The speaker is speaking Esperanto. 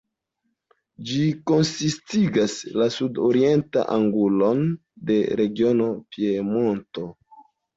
Ĝi konsistigas la sud-orientan angulon de regiono Piemonto.